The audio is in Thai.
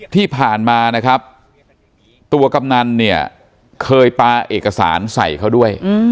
ที่ผ่านมานะครับตัวกำนันเนี่ยเคยปลาเอกสารใส่เขาด้วย